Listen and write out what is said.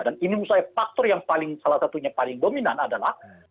dan ini menurut saya faktor yang salah satunya paling dominan adalah